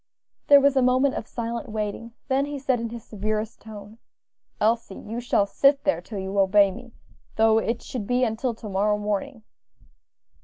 There was a moment of silent waiting; then he said in his severest tone, "Elsie, you shall sit there till you obey me, though it should be until to morrow morning."